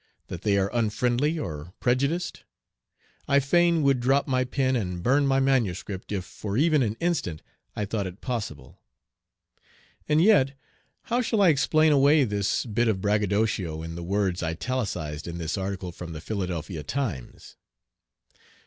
That they are unfriendly or prejudiced? I fain would drop my pen and burn my manuscript if for even an instant I thought it possible. And yet how shall I explain away this bit of braggadocio in the words italicized in this article from the Philadelphia Times?